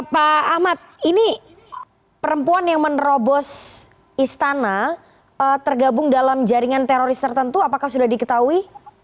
pak ahmad ini perempuan yang menerobos istana tergabung dalam jaringan teroris tertentu apakah sudah diketahui